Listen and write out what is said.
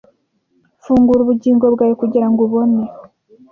Fungura ubugingo bwawe kugirango ubone,